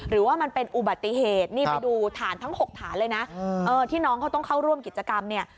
หรือว่ามันเป็นอุบัติเหตุทารทั้ง๖ทานเลยที่น้องต้องเข้าร่วมกิจกรรม